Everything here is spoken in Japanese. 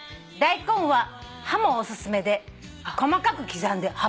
大根は葉もお勧めで細かく刻んで」